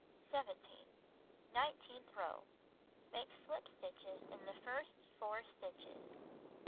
17. Nineteenth row: Make slip stitches in the first four stitches.